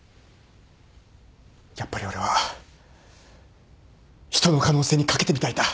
やっぱり俺は人の可能性に賭けてみたいんだ。